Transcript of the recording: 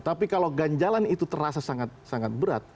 tapi kalau ganjalan itu terasa sangat sangat berat